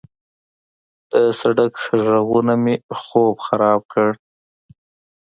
د سړک غږونه مې خوب خراب کړ.